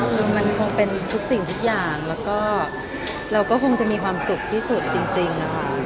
คือมันคงเป็นทุกสิ่งทุกอย่างแล้วก็เราก็คงจะมีความสุขที่สุดจริงนะคะ